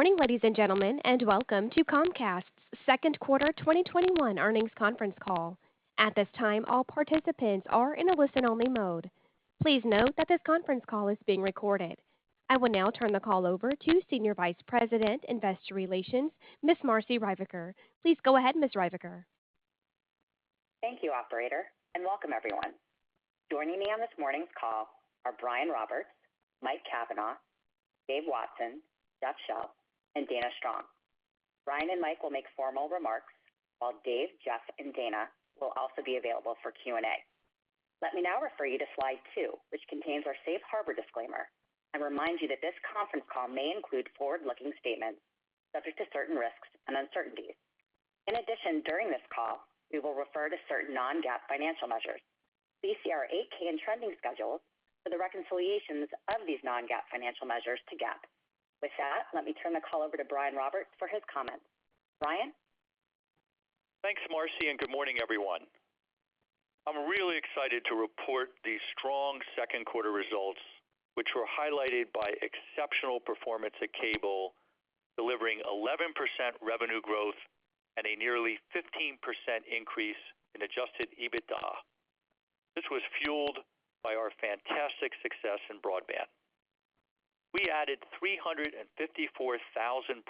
Good morning, ladies and gentlemen, and welcome to Comcast's second quarter 2021 earnings conference call. At this time, all participants are in a listen-only mode. Please note that this conference call is being recorded. I will now turn the call over to Senior Vice President, Investor Relations, Ms. Marci Ryvicker. Please go ahead, Ms. Ryvicker. Thank you, operator, and welcome everyone. Joining me on this morning's call are Brian Roberts, Mike Cavanagh, Dave Watson, Jeff Shell, and Dana Strong. Brian and Mike will make formal remarks, while Dave, Jeff, and Dana will also be available for Q&A. Let me now refer you to slide two, which contains our safe harbor disclaimer, and remind you that this conference call may include forward-looking statements subject to certain risks and uncertainties. In addition, during this call, we will refer to certain non-GAAP financial measures. Please see our 8-K and trending schedules for the reconciliations of these non-GAAP financial measures to GAAP. With that, let me turn the call over to Brian Roberts for his comments. Brian? Thanks, Marci. Good morning, everyone. I'm really excited to report the strong second quarter results, which were highlighted by exceptional performance at Cable, delivering 11% revenue growth and a nearly 15% increase in adjusted EBITDA. This was fueled by our fantastic success in broadband. We added 354,000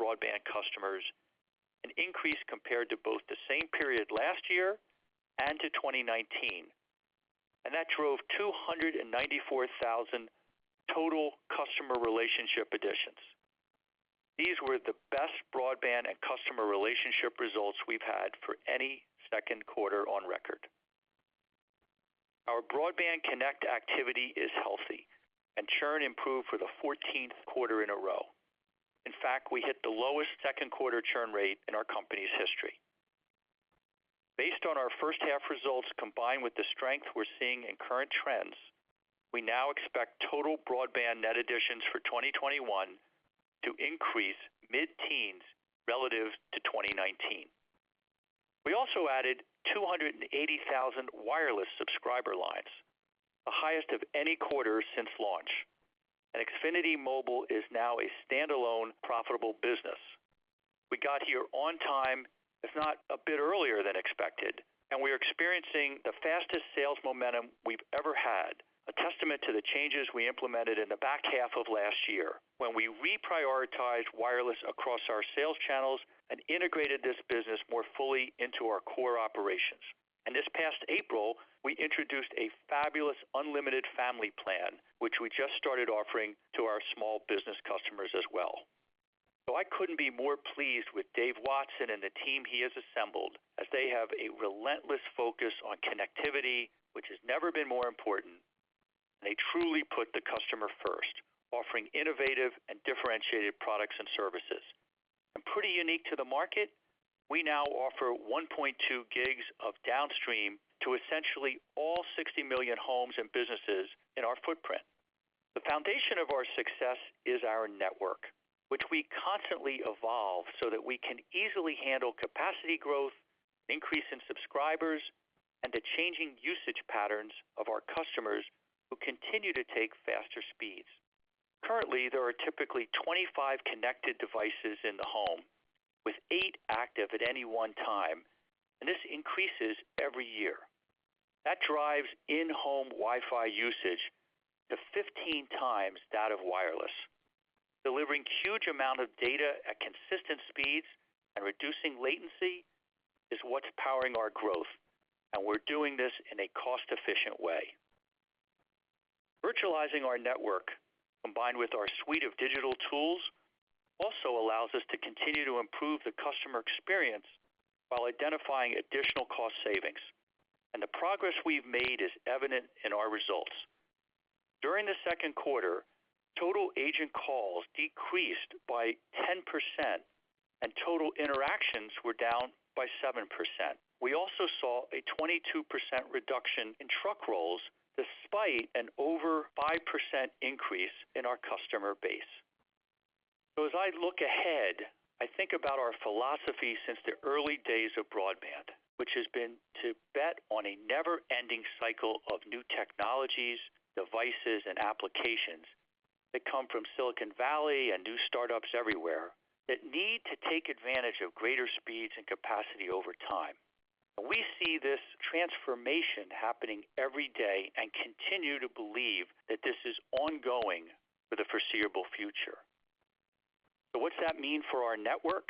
broadband customers, an increase compared to both the same period last year and to 2019. That drove 294,000 total customer relationship additions. These were the best broadband and customer relationship results we've had for any second quarter on record. Our broadband connect activity is healthy, and churn improved for the 14th quarter in a row. In fact, we hit the lowest second quarter churn rate in our company's history. Based on our first half results, combined with the strength we're seeing in current trends, we now expect total broadband net additions for 2021 to increase mid-teens relative to 2019. We also added 280,000 wireless subscriber lines, the highest of any quarter since launch, and Xfinity Mobile is now a standalone profitable business. We got here on time, if not a bit earlier than expected. We are experiencing the fastest sales momentum we've ever had, a testament to the changes we implemented in the back half of last year when we reprioritized wireless across our sales channels and integrated this business more fully into our core operations. This past April, we introduced a fabulous unlimited family plan, which we just started offering to our small business customers as well. I couldn't be more pleased with Dave Watson and the team he has assembled, as they have a relentless focus on connectivity, which has never been more important, and they truly put the customer first, offering innovative and differentiated products and services. Pretty unique to the market, we now offer 1.2 gigs of downstream to essentially all 60 million homes and businesses in our footprint. The foundation of our success is our network, which we constantly evolve so that we can easily handle capacity growth, increase in subscribers, and the changing usage patterns of our customers who continue to take faster speeds. Currently, there are typically 25 connected devices in the home, with eight active at any one time, and this increases every year. That drives in-home Wi-Fi usage to 15x that of wireless. Delivering huge amount of data at consistent speeds and reducing latency is what's powering our growth, and we're doing this in a cost-efficient way. Virtualizing our network, combined with our suite of digital tools, also allows us to continue to improve the customer experience while identifying additional cost savings. The progress we've made is evident in our results. During the second quarter, total agent calls decreased by 10%, and total interactions were down by 7%. We also saw a 22% reduction in truck rolls, despite an over 5% increase in our customer base. As I look ahead, I think about our philosophy since the early days of broadband, which has been to bet on a never-ending cycle of new technologies, devices, and applications that come from Silicon Valley and new startups everywhere that need to take advantage of greater speeds and capacity over time. We see this transformation happening every day and continue to believe that this is ongoing for the foreseeable future. What's that mean for our network?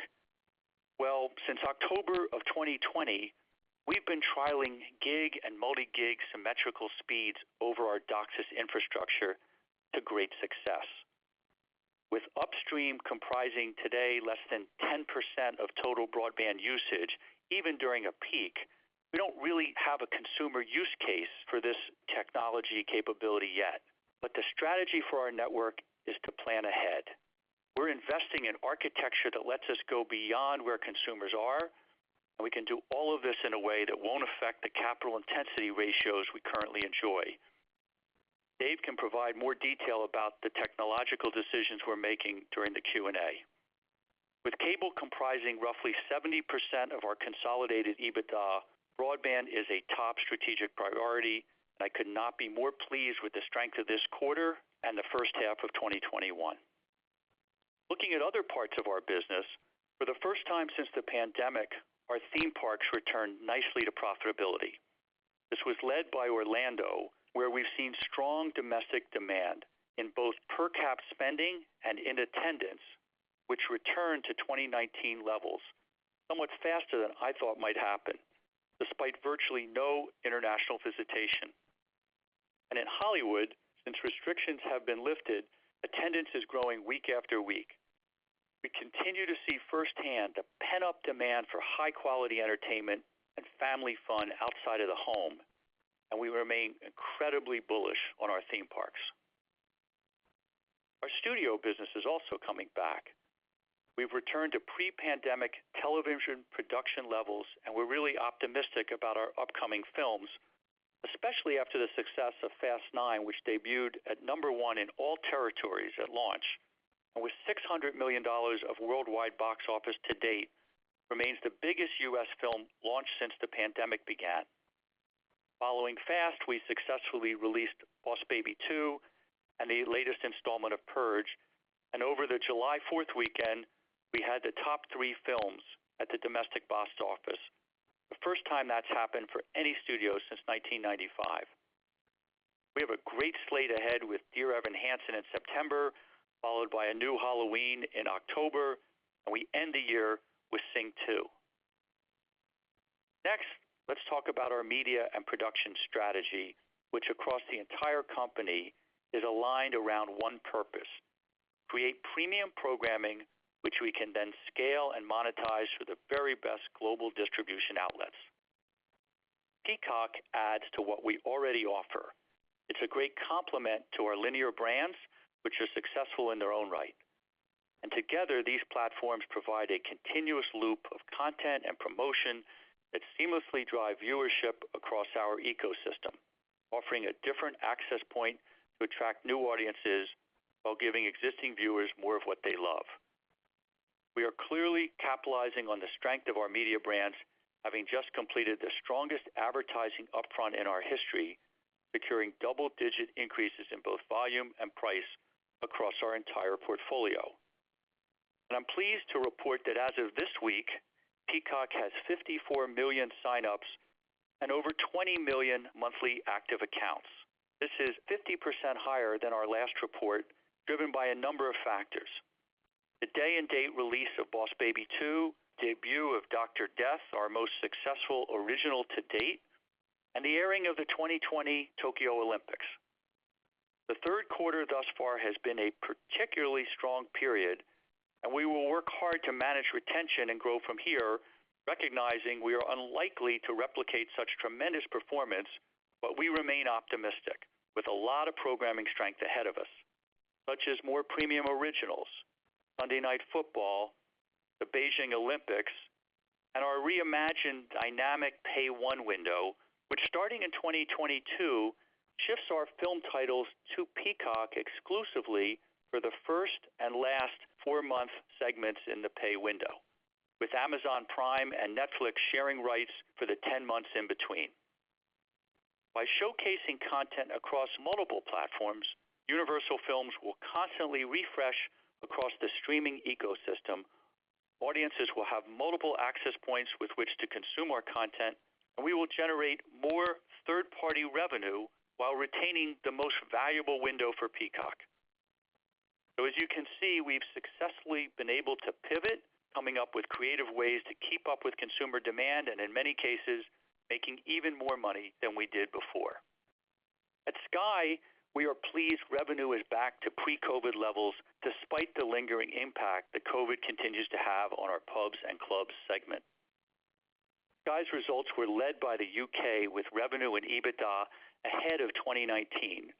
Well, since October of 2020, we've been trialing gig and multi-gig symmetrical speeds over our DOCSIS infrastructure to great success. With upstream comprising today less than 10% of total broadband usage, even during a peak, we don't really have a consumer use case for this technology capability yet. But the strategy for our network is to plan ahead. We're investing in architecture that lets us go beyond where consumers are, and we can do all of this in a way that won't affect the capital intensity ratios we currently enjoy. Dave can provide more detail about the technological decisions we're making during the Q&A. With cable comprising roughly 70% of our consolidated EBITDA, broadband is a top strategic priority, and I could not be more pleased with the strength of this quarter and the first half of 2021. Looking at other parts of our business, for the first time since the pandemic, our theme parks returned nicely to profitability. This was led by Orlando, where we've seen strong domestic demand in both per-cap spending and in attendance, which returned to 2019 levels, somewhat faster than I thought might happen, despite virtually no international visitation. In Hollywood, since restrictions have been lifted, attendance is growing week after week. We continue to see firsthand the pent-up demand for high-quality entertainment and family fun outside of the home, and we remain incredibly bullish on our theme parks. Our studio business is also coming back. We've returned to pre-pandemic television production levels, and we're really optimistic about our upcoming films, especially after the success of "Fast 9," which debuted at number one in all territories at launch. With $600 million of worldwide box office to date, remains the biggest U.S. film launch since the pandemic began. Following "Fast," we successfully released "Boss Baby 2" and the latest installment of "Purge," and over the July 4th weekend, we had the top three films at the domestic box office. The first time that's happened for any studio since 1995. We have a great slate ahead with "Dear Evan Hansen" in September, followed by a new "Halloween" in October, and we end the year with "Sing 2." Let's talk about our media and production strategy, which across the entire company is aligned around one purpose: create premium programming, which we can then scale and monetize through the very best global distribution outlets. Peacock adds to what we already offer. It's a great complement to our linear brands, which are successful in their own right. Together, these platforms provide a continuous loop of content and promotion that seamlessly drive viewership across our ecosystem, offering a different access point to attract new audiences while giving existing viewers more of what they love. We are clearly capitalizing on the strength of our media brands, having just completed the strongest advertising upfront in our history, securing double-digit increases in both volume and price across our entire portfolio. I'm pleased to report that as of this week, Peacock has 54 million sign-ups and over 20 million monthly active accounts. This is 50% higher than our last report, driven by a number of factors. The day and date release of "Boss Baby 2", debut of "Dr. Death", our most successful original to date, and the airing of the 2020 Tokyo Olympics. The third quarter thus far has been a particularly strong period, we will work hard to manage retention and grow from here, recognizing we are unlikely to replicate such tremendous performance, we remain optimistic with a lot of programming strength ahead of us. Such as more premium originals, Monday Night Football, the Beijing Olympics, and our reimagined dynamic Pay-One window, which starting in 2022, shifts our film titles to Peacock exclusively for the first and last four-month segments in the pay window, with Amazon Prime and Netflix sharing rights for the 10 months in between. By showcasing content across multiple platforms, Universal Films will constantly refresh across the streaming ecosystem. Audiences will have multiple access points with which to consume our content, we will generate more third-party revenue while retaining the most valuable window for Peacock. As you can see, we've successfully been able to pivot, coming up with creative ways to keep up with consumer demand, and in many cases, making even more money than we did before. At Sky, we are pleased revenue is back to pre-COVID levels, despite the lingering impact that COVID continues to have on our pubs and clubs segment. Sky's results were led by the U.K. with revenue and EBITDA ahead of 2019.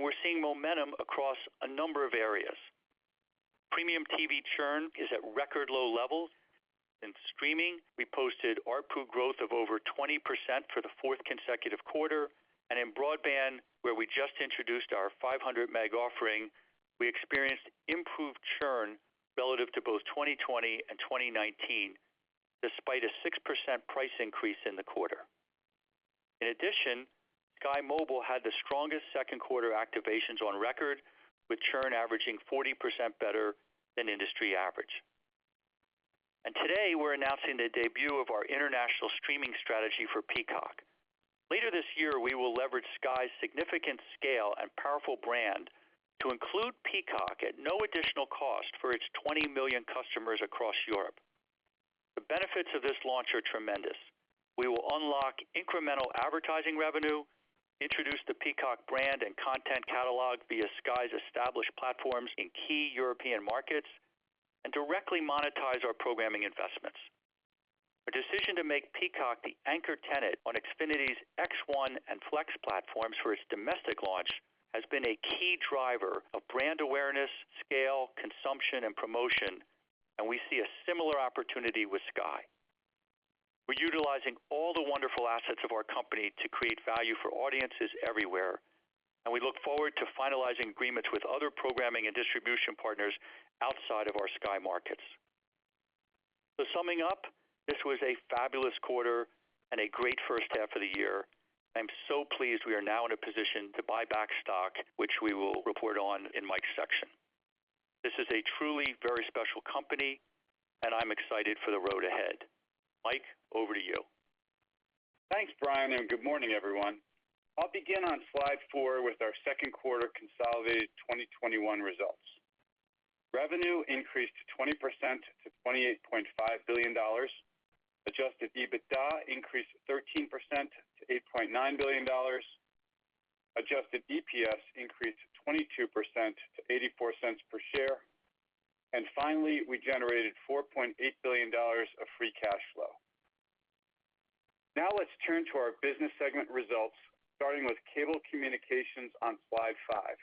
We're seeing momentum across a number of areas. Premium TV churn is at record low levels. In streaming, we posted ARPU growth of over 20% for the fourth consecutive quarter. In broadband, where we just introduced our 500 Mb offering, we experienced improved churn relative to both 2020 and 2019, despite a 6% price increase in the quarter. In addition, Sky Mobile had the strongest second quarter activations on record with churn averaging 40% better than industry average. Today, we're announcing the debut of our international streaming strategy for Peacock. Later this year, we will leverage Sky's significant scale and powerful brand to include Peacock at no additional cost for its 20 million customers across Europe. The benefits of this launch are tremendous. We will unlock incremental advertising revenue, introduce the Peacock brand and content catalog via Sky's established platforms in key European markets, and directly monetize our programming investments. Our decision to make Peacock the anchor tenant on Xfinity's X1 and Flex platforms for its domestic launch has been a key driver of brand awareness, scale, consumption, and promotion, and we see a similar opportunity with Sky. We're utilizing all the wonderful assets of our company to create value for audiences everywhere, and we look forward to finalizing agreements with other programming and distribution partners outside of our Sky markets. Summing up, this was a fabulous quarter and a great first half of the year. I'm so pleased we are now in a position to buy back stock, which we will report on in Mike's section. This is a truly very special company, and I'm excited for the road ahead. Mike, over to you. Thanks, Brian, good morning, everyone. I'll begin on slide four with our second quarter consolidated 2021 results. Revenue increased 20% to $28.5 billion. Adjusted EBITDA increased 13% to $8.9 billion. Adjusted EPS increased 22% to $0.84 per share. Finally, we generated $4.8 billion of free cash flow. Let's turn to our business segment results, starting with Cable Communications on slide five.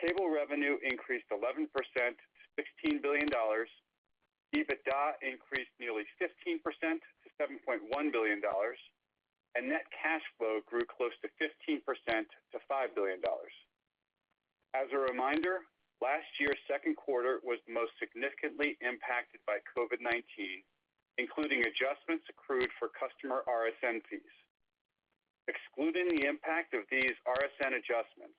Cable revenue increased 11% to $16 billion. EBITDA increased nearly 15% to $7.1 billion, and net cash flow grew close to 15% to $5 billion. As a reminder, last year's second quarter was most significantly impacted by COVID-19, including adjustments accrued for customer RSN fees. Excluding the impact of these RSN adjustments,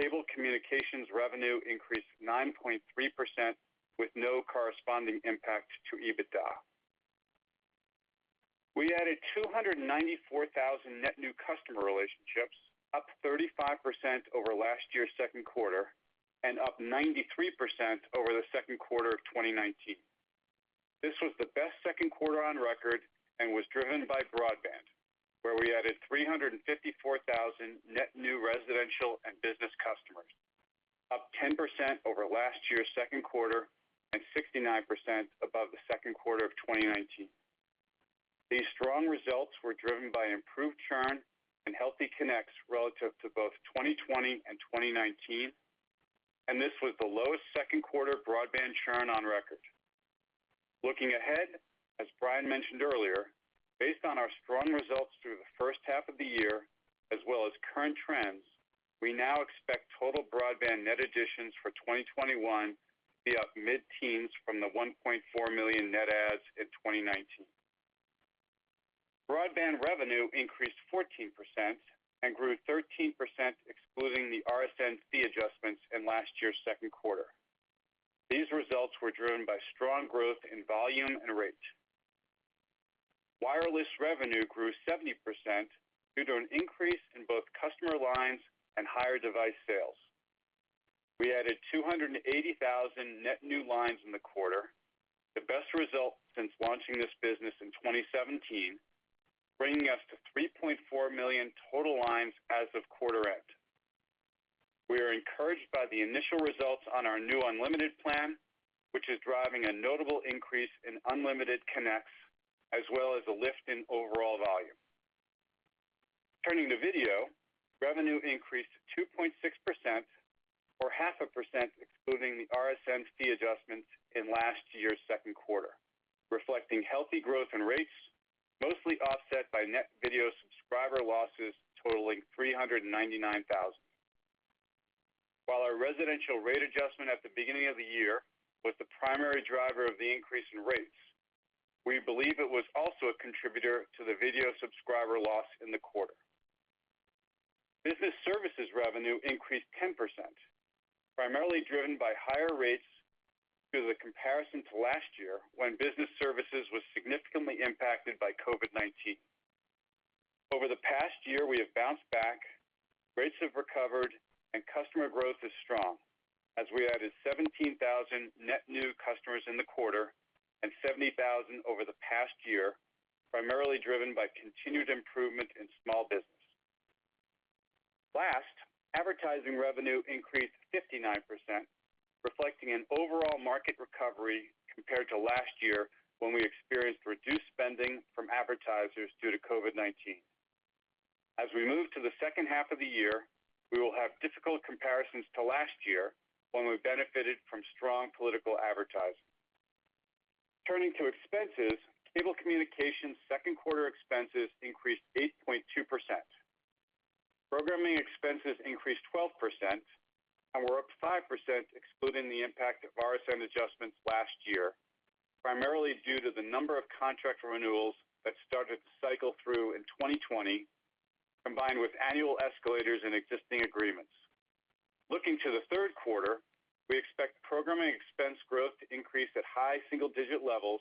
Cable Communications revenue increased 9.3% with no corresponding impact to EBITDA. We added 294,000 net new customer relationships, up 35% over last year's second quarter and up 93% over the second quarter of 2019. This was the best second quarter on record and was driven by broadband, where we added 354,000 net new residential and business customers, up 10% over last year's second quarter and 69% above the second quarter of 2019. These strong results were driven by improved churn and healthy connects relative to both 2020 and 2019. This was the lowest second quarter broadband churn on record. Looking ahead, as Brian mentioned earlier, based on our strong results through the first half of the year as well as current trends, we now expect total broadband net additions for 2021 to be up mid-teens from the 1.4 million net adds in 2019. Broadband revenue increased 14% and grew 13% excluding the RSN fee adjustments in last year's second quarter. These results were driven by strong growth in volume and rate. Wireless revenue grew 70% due to an increase in both customer lines and higher device sales. We added 280,000 net new lines in the quarter, the best result since launching this business in 2017, bringing us to 3.4 million total lines as of quarter end. We are encouraged by the initial results on our new unlimited plan, which is driving a notable increase in unlimited connects, as well as a lift in overall volume. Turning to video, revenue increased 2.6%, or half a percent excluding the RSN fee adjustments in last year's second quarter, reflecting healthy growth in rates, mostly offset by net video subscriber losses totaling 399,000. While our residential rate adjustment at the beginning of the year was the primary driver of the increase in rates, we believe it was also a contributor to the video subscriber loss in the quarter. Business services revenue increased 10%, primarily driven by higher rates due to the comparison to last year when business services was significantly impacted by COVID-19. Over the past year, we have bounced back, rates have recovered, and customer growth is strong as we added 17,000 net new customers in the quarter and 70,000 over the past year, primarily driven by continued improvement in small business. Last, advertising revenue increased 59%, reflecting an overall market recovery compared to last year when we experienced reduced spending from advertisers due to COVID-19. As we move to the second half of the year, we will have difficult comparisons to last year when we benefited from strong political advertising. Turning to expenses, Cable Communications' second quarter expenses increased 8.2%. Programming expenses increased 12% and were up 5% excluding the impact of RSN adjustments last year, primarily due to the number of contract renewals that started to cycle through in 2020, combined with annual escalators and existing agreements. Looking to the third quarter, we expect programming expense growth to increase at high single-digit levels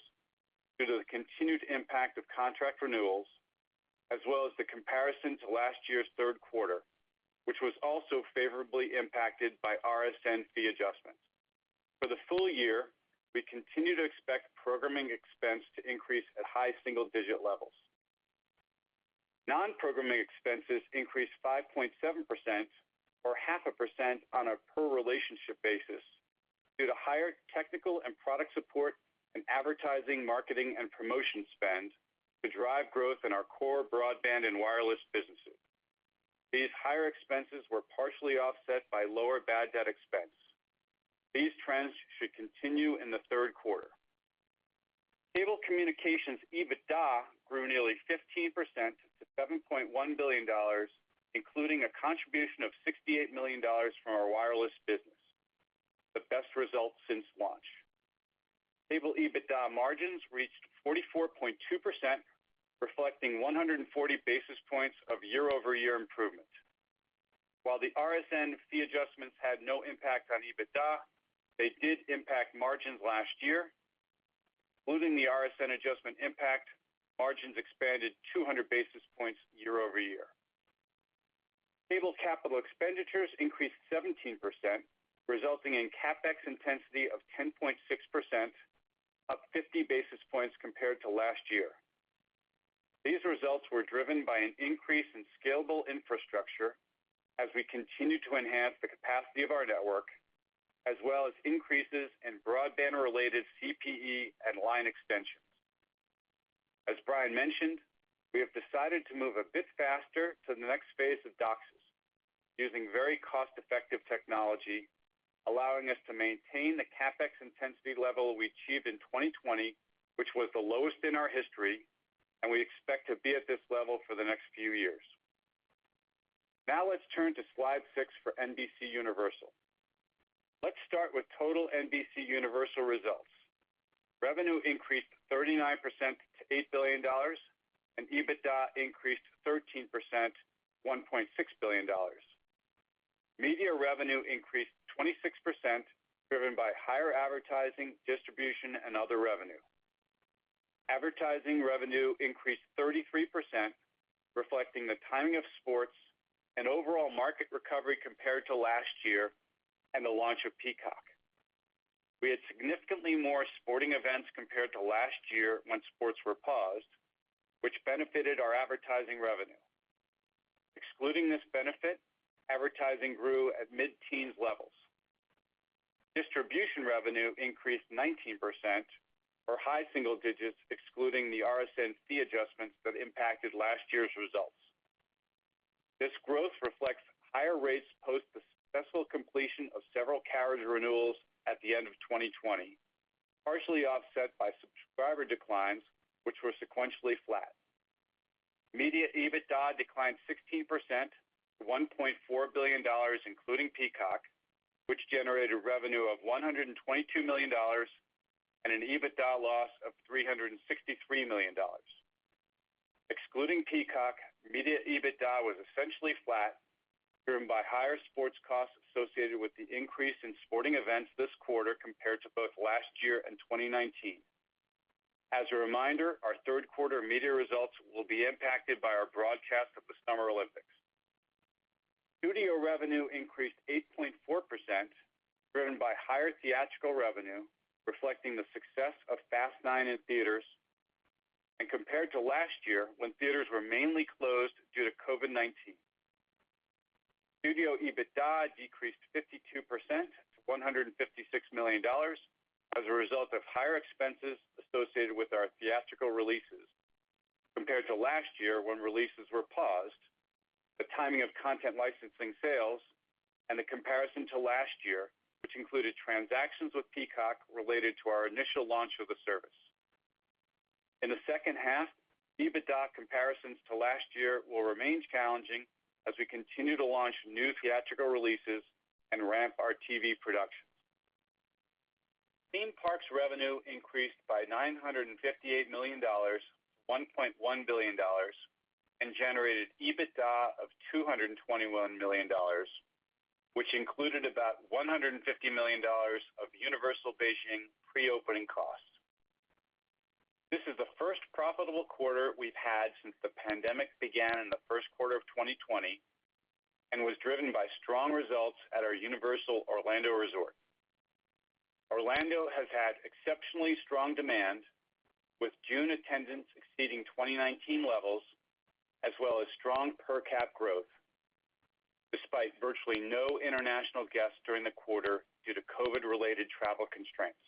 due to the continued impact of contract renewals as well as the comparison to last year's third quarter, which was also favorably impacted by RSN fee adjustments. For the full year, we continue to expect programming expense to increase at high single-digit levels. Non-programming expenses increased 5.7%, or half a percent on a per relationship basis due to higher technical and product support and advertising, marketing, and promotion spend to drive growth in our core broadband and wireless businesses. These higher expenses were partially offset by lower bad debt expense. These trends should continue in the third quarter. Cable Communications EBITDA grew nearly 15% to $7.1 billion, including a contribution of $68 million from our wireless business, the best result since launch. Cable EBITDA margins reached 44.2%, reflecting 140 basis points of year-over-year improvement. While the RSN fee adjustments had no impact on EBITDA, they did impact margins last year. Including the RSN adjustment impact, margins expanded 200 basis points year-over-year. Cable capital expenditures increased 17%, resulting in CapEx intensity of 10.6%, up 50 basis points compared to last year. These results were driven by an increase in scalable infrastructure as we continue to enhance the capacity of our network, as well as increases in broadband-related CPE and line extensions. As Brian mentioned, we have decided to move a bit faster to the next phase of DOCSIS using very cost-effective technology, allowing us to maintain the CapEx intensity level we achieved in 2020, which was the lowest in our history, and we expect to be at this level for the next few years. Let's turn to slide six for NBCUniversal. Let's start with total NBCUniversal results. Revenue increased 39% to $8 billion, and EBITDA increased 13%, $1.6 billion. Media revenue increased 26%, driven by higher advertising, distribution, and other revenue. Advertising revenue increased 33%, reflecting the timing of sports and overall market recovery compared to last year and the launch of Peacock. We had significantly more sporting events compared to last year when sports were paused, which benefited our advertising revenue. Excluding this benefit, advertising grew at mid-teens levels. Distribution revenue increased 19%, or high single-digits, excluding the RSN fee adjustments that impacted last year's results. This growth reflects higher rates post the successful completion of several carriage renewals at the end of 2020, partially offset by subscriber declines, which were sequentially flat. Media EBITDA declined 16% to $1.4 billion, including Peacock, which generated revenue of $122 million and an EBITDA loss of $363 million. Excluding Peacock, media EBITDA was essentially flat, driven by higher sports costs associated with the increase in sporting events this quarter compared to both last year and 2019. As a reminder, our third quarter media results will be impacted by our broadcast of the Summer Olympics. Studio revenue increased 8.4%, driven by higher theatrical revenue, reflecting the success of Fast 9 in theaters and compared to last year, when theaters were mainly closed due to COVID-19. Studio EBITDA decreased 52% to $156 million as a result of higher expenses associated with our theatrical releases compared to last year when releases were paused, the timing of content licensing sales, and the comparison to last year, which included transactions with Peacock related to our initial launch of the service. In the second half, EBITDA comparisons to last year will remain challenging as we continue to launch new theatrical releases and ramp our TV production. Theme parks revenue increased by $958 million, $1.1 billion and generated EBITDA of $221 million, which included about $150 million of Universal Beijing pre-opening costs. This is the first profitable quarter we've had since the pandemic began in the first quarter of 2020 and was driven by strong results at our Universal Orlando Resort. Orlando has had exceptionally strong demand, with June attendance exceeding 2019 levels as well as strong per-cap growth despite virtually no international guests during the quarter due to COVID-related travel constraints.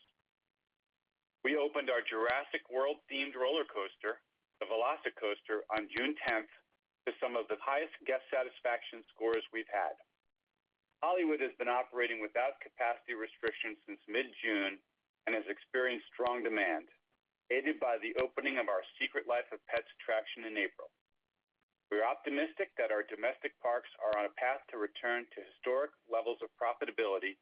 We opened our Jurassic World-themed roller coaster, the VelociCoaster, on June 10th to some of the highest guest satisfaction scores we've had. Hollywood has been operating without capacity restrictions since mid-June and has experienced strong demand, aided by the opening of our Secret Life of Pets attraction in April. We are optimistic that our domestic parks are on a path to return to historic levels of profitability,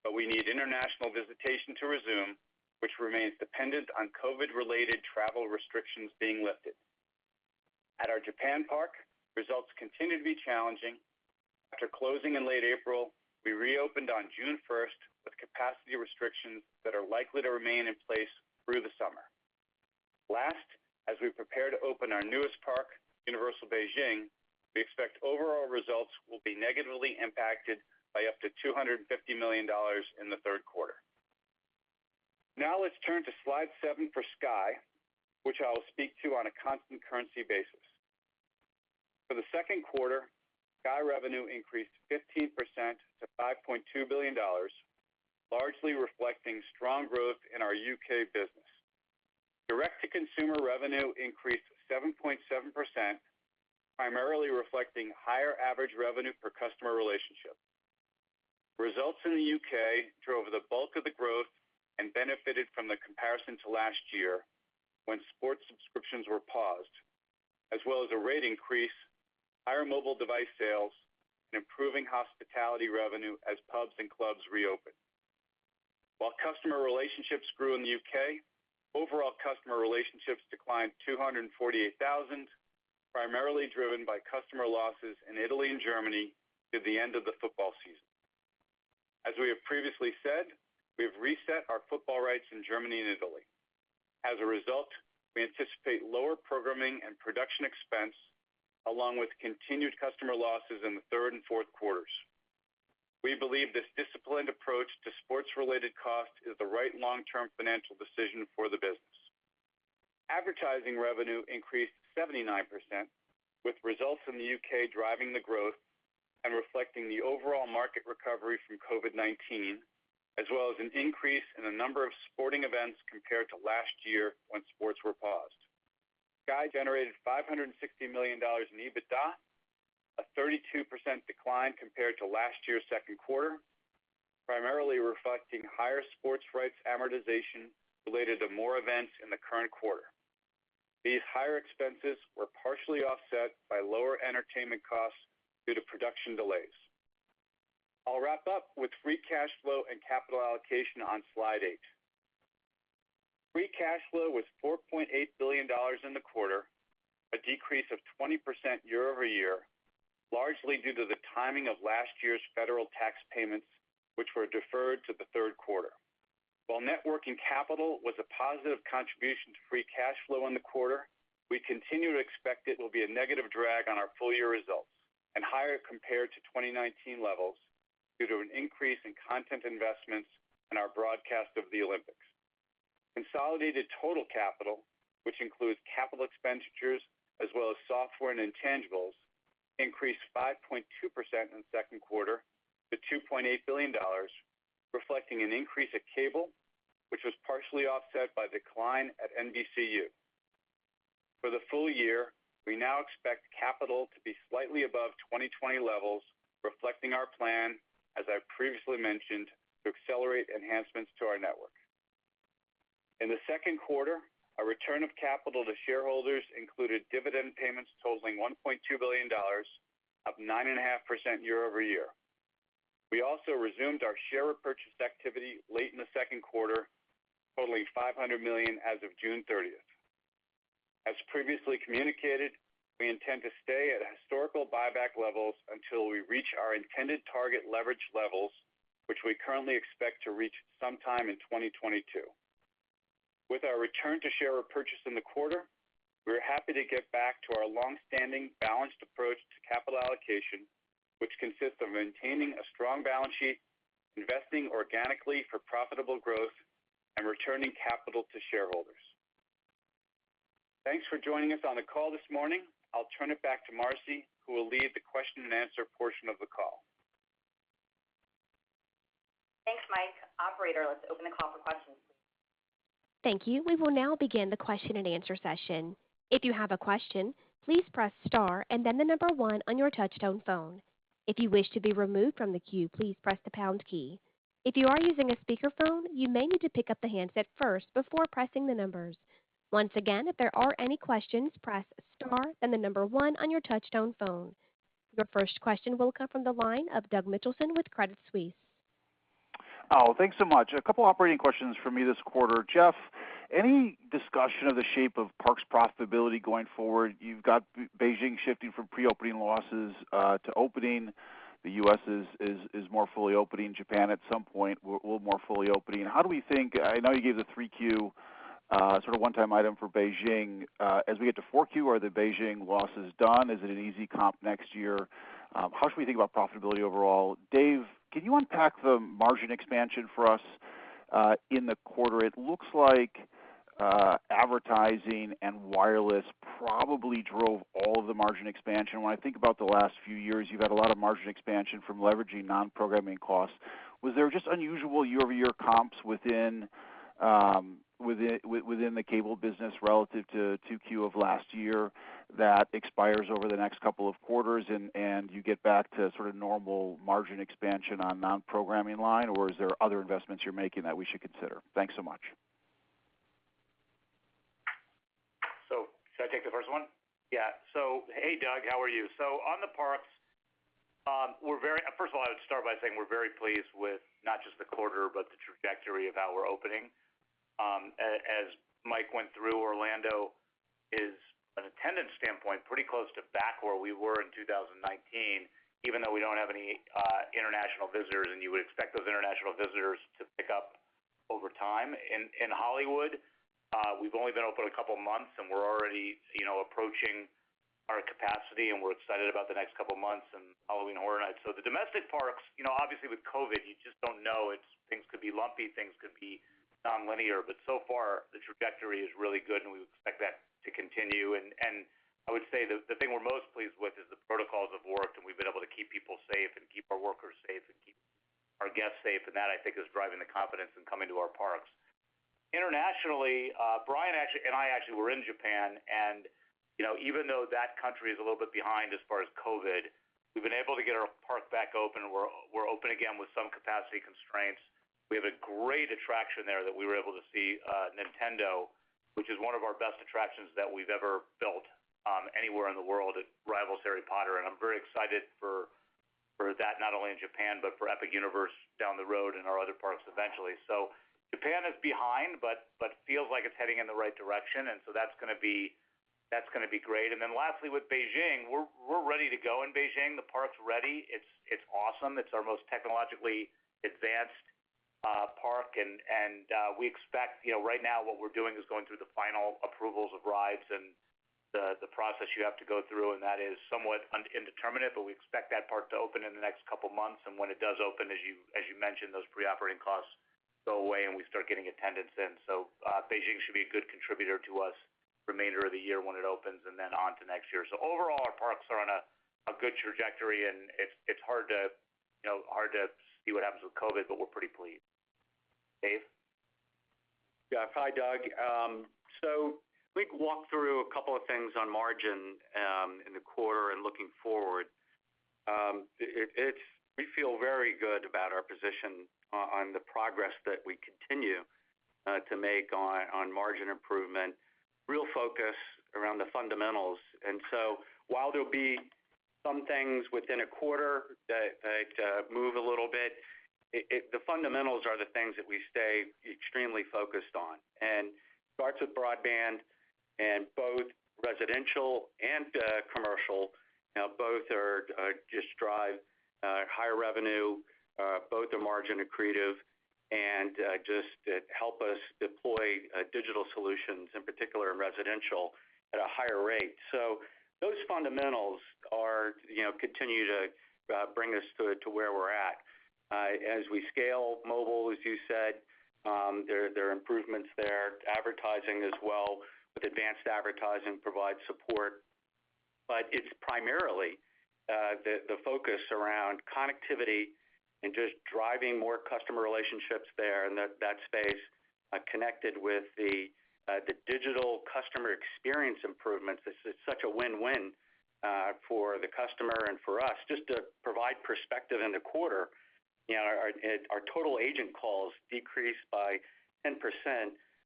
but we need international visitation to resume, which remains dependent on COVID-related travel restrictions being lifted. At our Japan park, results continue to be challenging. After closing in late April, we reopened on June 1st with capacity restrictions that are likely to remain in place through the summer. As we prepare to open our newest park, Universal Beijing, we expect overall results will be negatively impacted by up to $250 million in the third quarter. Let's turn to slide seven for Sky, which I will speak to on a constant currency basis. For the second quarter, Sky revenue increased 15% to $5.2 billion, largely reflecting strong growth in our U.K. business. Direct-to-consumer revenue increased 7.7%, primarily reflecting higher average revenue per customer relationship. Results in the U.K. drove the bulk of the growth and benefited from the comparison to last year, when sports subscriptions were paused, as well as a rate increase, higher mobile device sales, and improving hospitality revenue as pubs and clubs reopened. While customer relationships grew in the U.K., overall customer relationships declined 248,000, primarily driven by customer losses in Italy and Germany through the end of the football season. As we have previously said, we've reset our football rights in Germany and Italy. As a result, we anticipate lower programming and production expense along with continued customer losses in the third and fourth quarters. We believe this disciplined approach to sports-related cost is the right long-term financial decision for the business. Advertising revenue increased 79%, with results in the U.K. driving the growth and reflecting the overall market recovery from COVID-19, as well as an increase in a number of sporting events compared to last year, when sports were paused. Sky generated $560 million in EBITDA, a 32% decline compared to last year's second quarter, primarily reflecting higher sports rights amortization related to more events in the current quarter. These higher expenses were partially offset by lower entertainment costs due to production delays. I'll wrap up with free cash flow and capital allocation on slide eight. Free cash flow was $4.8 billion in the quarter, a decrease of 20% year-over-year, largely due to the timing of last year's federal tax payments, which were deferred to the third quarter. While net working capital was a positive contribution to free cash flow in the quarter, we continue to expect it will be a negative drag on our full-year results and higher compared to 2019 levels due to an increase in content investments and our broadcast of the Olympics. Consolidated total capital, which includes capital expenditures as well as software and intangibles, increased 5.2% in the second quarter to $2.8 billion, reflecting an increase at Cable, which was partially offset by decline at NBCU. For the full year, we now expect capital to be slightly above 2020 levels, reflecting our plan, as I've previously mentioned, to accelerate enhancements to our network. In the second quarter, our return of capital to shareholders included dividend payments totaling $1.2 billion, up 9.5% year-over-year. We also resumed our share repurchase activity late in the second quarter, totaling $500 million as of June 30th. As previously communicated, we intend to stay at historical buyback levels until we reach our intended target leverage levels, which we currently expect to reach sometime in 2022. With our return to share repurchase in the quarter, we are happy to get back to our longstanding balanced approach to capital allocation, which consists of maintaining a strong balance sheet, investing organically for profitable growth, and returning capital to shareholders. Thanks for joining us on the call this morning. I'll turn it back to Marci, who will lead the question and answer portion of the call. Thanks, Mike. Operator, let's open the call for questions. Thank you. We will now begin the question and answer session. If you have a question, please press star and then the number one on your touch-tone phone. If you wish to be removed from the queue, please press the pound key. If you are using a speakerphone, you may need to pick up the handset first before pressing the numbers. Once again, if there are any questions, press star then the number one on your touch-tone phone. Your first question will come from the line of Doug Mitchelson with Credit Suisse. Oh, thanks so much. A couple operating questions for me this quarter. Jeff, any discussion of the shape of parks profitability going forward? You've got Beijing shifting from pre-opening losses to opening. The U.S. is more fully opening. Japan, at some point, will more fully opening. I know you gave the 3Q sort of one-time item for Beijing. As we get to 4Q, are the Beijing losses done? Is it an easy comp next year? How should we think about profitability overall? Dave, can you unpack the margin expansion for us in the quarter? It looks like advertising and wireless probably drove all of the margin expansion. When I think about the last few years, you've had a lot of margin expansion from leveraging non-programming costs. Was there just unusual year-over-year comps within the Cable Business relative to 2Q of last year that expires over the next couple of quarters and you get back to sort of normal margin expansion on non-programming line or is there other investments you're making that we should consider? Thanks so much. Should I take the first one? Yeah. Hey Doug, how are you? On the parks, first of all, I would start by saying we're very pleased with not just the quarter, but the trajectory of how we're opening. As Mike went through, Orlando is, an attendance standpoint, pretty close to back where we were in 2019, even though we don't have any international visitors, and you would expect those international visitors to pick up over time. In Hollywood, we've only been open a couple of months and we're already approaching our capacity, and we're excited about the next couple of months and Halloween Horror Nights. The domestic parks, obviously with COVID, you just don't know. Things could be lumpy, things could be nonlinear, but so far the trajectory is really good, and we would expect that to continue. I would say the thing we're most pleased with is the protocols have worked, and we've been able to keep people safe and keep our workers safe. Our guests safe, and that, I think, is driving the confidence in coming to our parks. Internationally, Brian and I actually were in Japan, even though that country is a little bit behind as far as COVID, we've been able to get our park back open. We're open again with some capacity constraints. We have a great attraction there that we were able to see, Nintendo, which is one of our best attractions that we've ever built anywhere in the world. It rivals Harry Potter, I'm very excited for that, not only in Japan, but for Epic Universe down the road and our other parks eventually. Japan is behind, but feels like it's heading in the right direction, that's going to be great. Lastly, with Beijing, we're ready to go in Beijing. The park's ready. It's awesome. It's our most technologically advanced park. Right now what we're doing is going through the final approvals of rides and the process you have to go through, that is somewhat indeterminate. We expect that park to open in the next couple of months. When it does open, as you mentioned, those pre-operating costs go away, we start getting attendance in. Beijing should be a good contributor to us remainder of the year when it opens, on to next year. Overall, our parks are on a good trajectory, it's hard to see what happens with COVID, we're pretty pleased. Dave? Yeah. Hi, Doug. Let me walk through a couple of things on margin in the quarter and looking forward. We feel very good about our position on the progress that we continue to make on margin improvement. Real focus around the fundamentals. While there'll be some things within a quarter that move a little bit, the fundamentals are the things that we stay extremely focused on. Starts with broadband and both residential and commercial. Now both just drive higher revenue, both are margin accretive and just help us deploy digital solutions, in particular in residential, at a higher rate. Those fundamentals continue to bring us to where we're at. As we scale mobile, as you said, there are improvements there. Advertising as well, with advanced advertising provides support. It's primarily the focus around connectivity and just driving more customer relationships there in that space, connected with the digital customer experience improvements. It's such a win-win for the customer and for us. Just to provide perspective in the quarter, our total agent calls decreased by 10%,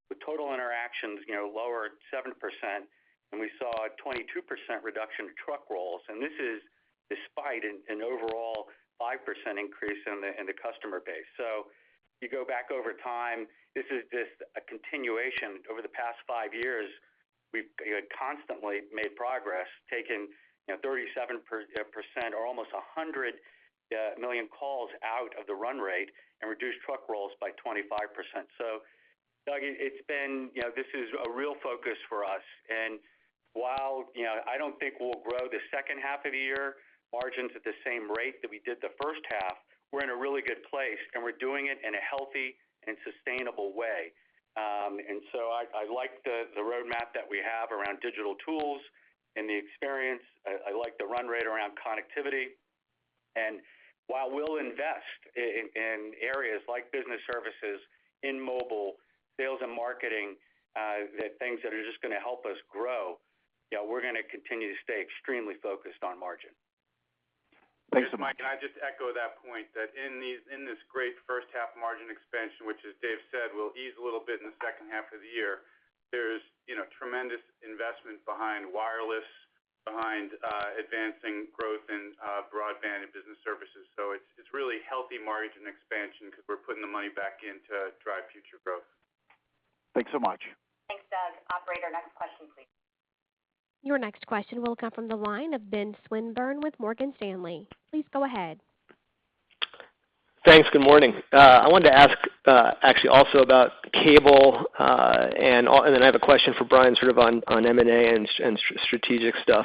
with total interactions lower at 7%, and we saw a 22% reduction in truck rolls. This is despite an overall 5% increase in the customer base. You go back over time, this is just a continuation. Over the past five years, we've constantly made progress, taken 37% or almost 100 million calls out of the run rate and reduced truck rolls by 25%. Doug, this is a real focus for us, and while I don't think we'll grow the second half of the year margins at the same rate that we did the first half, we're in a really good place, and we're doing it in a healthy and sustainable way. I like the roadmap that we have around digital tools and the experience. I like the run rate around connectivity. While we'll invest in areas like business services, in mobile, sales and marketing, the things that are just going to help us grow, we're going to continue to stay extremely focused on margin. Thanks so much. Mike, can I just echo that point, that in this great first half margin expansion, which as Dave said, will ease a little bit in the second half of the year, there's tremendous investment behind wireless, behind advancing growth in broadband and business services. It's really healthy margin expansion because we're putting the money back in to drive future growth. Thanks so much. Thanks, Doug. Operator, next question, please. Your next question will come from the line of Ben Swinburne with Morgan Stanley. Please go ahead. Thanks. Good morning. I wanted to ask actually also about cable, and then I have a question for Brian sort of on M&A and strategic stuff.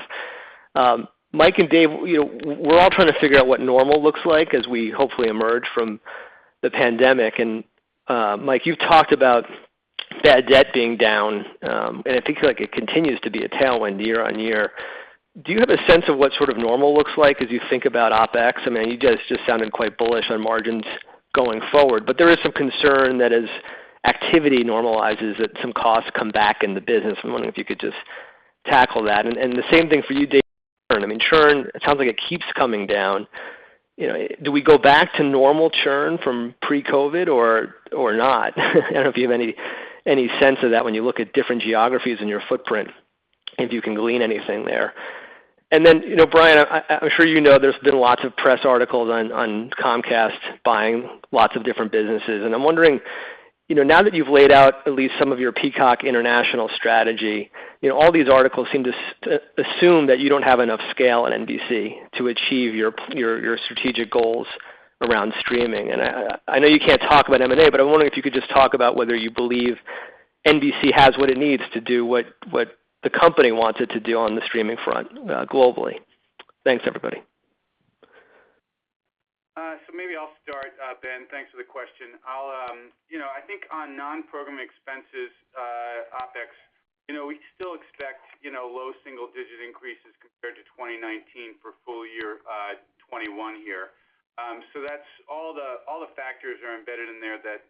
Mike and Dave, we're all trying to figure out what normal looks like as we hopefully emerge from the pandemic, and Mike, you've talked about bad debt being down, and it seems like it continues to be a tailwind year-on-year. Do you have a sense of what sort of normal looks like as you think about OpEx? You guys just sounded quite bullish on margins going forward. There is some concern that as activity normalizes, that some costs come back in the business. I'm wondering if you could just tackle that. The same thing for you, Dave. Churn, it sounds like it keeps coming down. Do we go back to normal churn from pre-COVID or not? I don't know if you have any sense of that when you look at different geographies in your footprint, if you can glean anything there. Then, Brian, I'm sure you know there's been lots of press articles on Comcast buying lots of different businesses, and I'm wondering now that you've laid out at least some of your Peacock international strategy, all these articles seem to assume that you don't have enough scale in NBC to achieve your strategic goals around streaming. I know you can't talk about M&A, but I'm wondering if you could just talk about whether you believe NBC has what it needs to do what the company wants it to do on the streaming front globally. Thanks, everybody. Maybe I'll start, Ben. Thanks for the question. I think on non-program expenses, OpEx, we still expect low single-digit increases compared to 2019 for full year 2021 here. All the factors are embedded in there that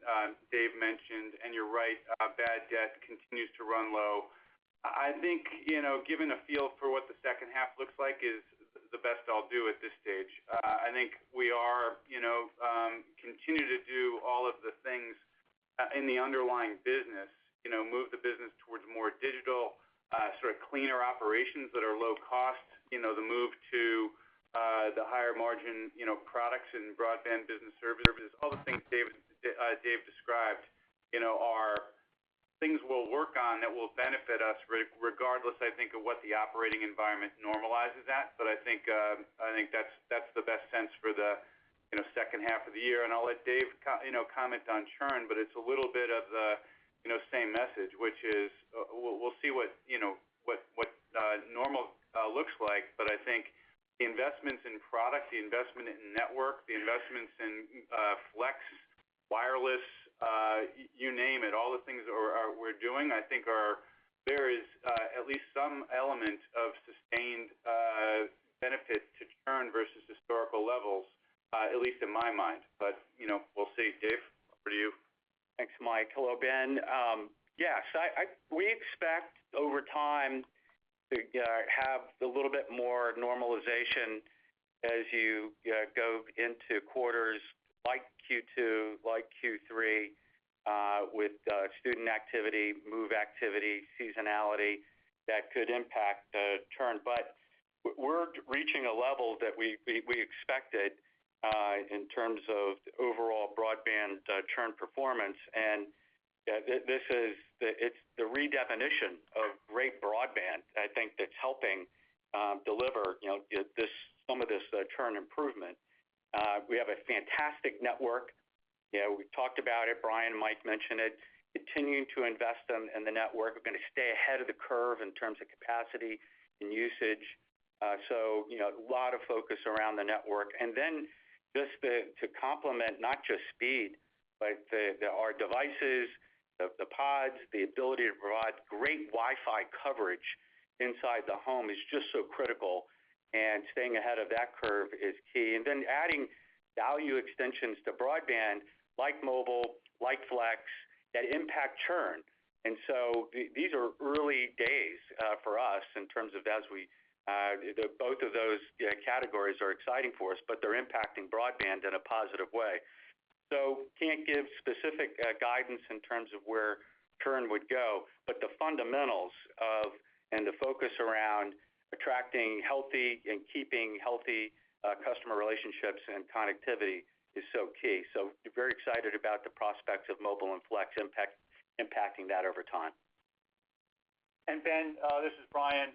Dave mentioned, and you're right, bad debt continues to run low. I think giving a feel for what the second half looks like is the best I'll do at this stage. I think we continue to do all of the things in the underlying business, move the business towards more digital, cleaner operations that are low cost, the move to the higher margin products and broadband business services. All the things Dave described are things we'll work on that will benefit us regardless I think of what the operating environment normalizes at. I think that's the best sense for the second half of the year, and I'll let Dave comment on churn, it's a little bit of the same message, which is we'll see what normal looks like. I think the investments in product, the investment in network, the investments in Flex, wireless, you name it, all the things we're doing, I think there is at least some element of sustained benefit to churn versus historical levels, at least in my mind. We'll see. Dave, over to you. Thanks, Mike. Hello, Ben. We expect over time to have a little bit more normalization as you go into quarters like Q2, like Q3, with student activity, move activity, seasonality that could impact the churn. We're reaching a level that we expected in terms of overall broadband churn performance, and it's the redefinition of great broadband, I think that's helping deliver some of this churn improvement. We have a fantastic network. We've talked about it, Brian and Mike mentioned it, continuing to invest in the network. We're going to stay ahead of the curve in terms of capacity and usage. A lot of focus around the network. Just to complement not just speed, but our devices, the pods, the ability to provide great Wi-Fi coverage inside the home is just so critical, and staying ahead of that curve is key. Then adding value extensions to broadband, like mobile, like Flex, that impact churn. These are early days for us in terms of as both of those categories are exciting for us, but they're impacting broadband in a positive way. Can't give specific guidance in terms of where churn would go, but the fundamentals of, and the focus around attracting healthy and keeping healthy customer relationships and connectivity is so key. Very excited about the prospects of mobile and Flex impacting that over time. Ben, this is Brian.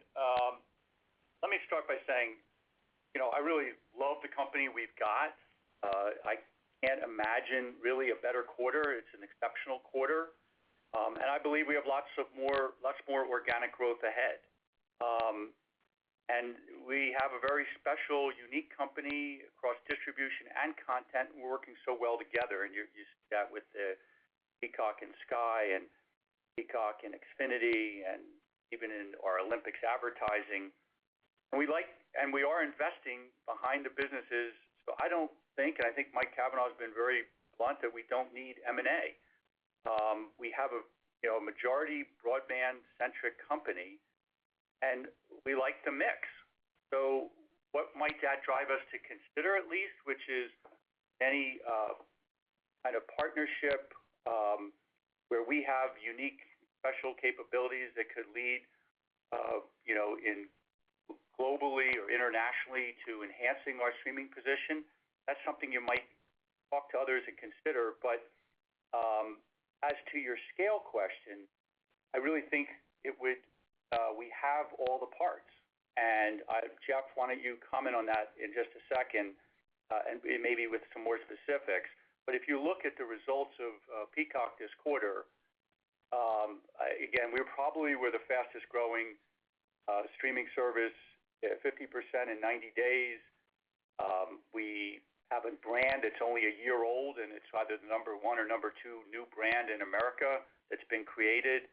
Let me start by saying, I really love the company we've got. I can't imagine really a better quarter. It's an exceptional quarter. I believe we have lots more organic growth ahead. We have a very special, unique company across distribution and content, and we're working so well together. You see that with Peacock and Sky and Peacock and Xfinity and even in our Olympics advertising. We are investing behind the businesses. I don't think, and I think Mike Cavanagh's been very blunt, that we don't need M&A. We have a majority broadband-centric company, and we like the mix. What might that drive us to consider, at least, which is any kind of partnership where we have unique, special capabilities that could lead globally or internationally to enhancing our streaming position. That's something you might talk to others and consider. As to your scale question, I really think we have all the parts, and Jeff, why don't you comment on that in just a second and maybe with some more specifics. If you look at the results of Peacock this quarter, again, we're probably the fastest-growing streaming service at 50% in 90 days. We have a brand that's only a year old, and it's either the number one or number two new brand in America that's been created.